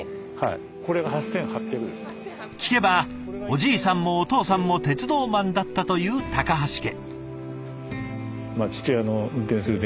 聞けばおじいさんもお父さんも鉄道マンだったという橋家。